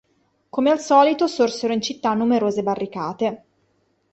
Come al solito sorsero in città numerose barricate.